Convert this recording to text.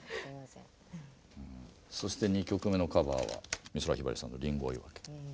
そして２曲目のカバーは美空ひばりさんの「リンゴ追分」。